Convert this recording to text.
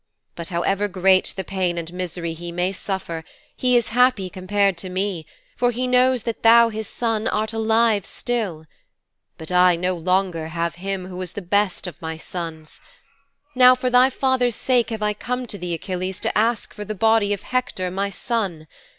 But however great the pain and misery he may suffer he is happy compared to me, for he knows that thou, his son, art still alive. But I no longer have him who was the best of my sons. Now for thy father's sake have I come to thee, Achilles, to ask for the body of Hector, my son.